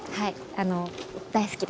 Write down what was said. あの大好きです。